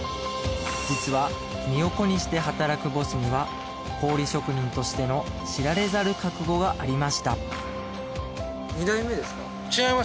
実は身を粉にして働くボスには氷職人としての知られざる覚悟がありました